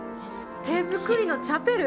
手作りのチャペル？